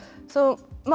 まあ